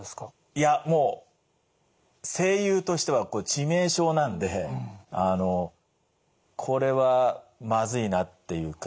いやもう声優としては致命傷なんでこれはまずいなっていうか。